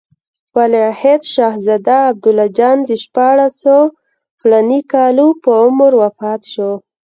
ولیعهد شهزاده عبدالله جان د شپاړسو فلاني کالو په عمر وفات شو.